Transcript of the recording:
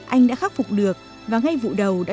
anh đã khắc phục được và ngay vụ đầu đã